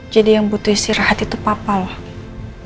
jadi yang butuh istirahat itu papa loh